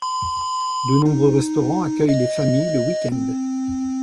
De nombreux restaurants accueillent les familles le week-end.